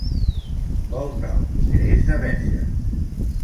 Volta'l, que és de Verges!